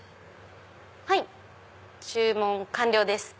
はい注文完了です。